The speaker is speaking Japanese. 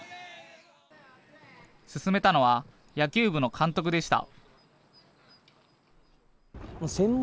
勧めたのは野球部の監督でした。